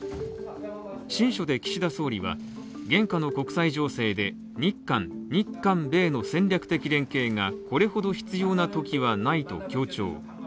親書で岸田総理は、現下の国際情勢で、日韓、日韓米の戦略的連携がこれほど必要なときはないと強調。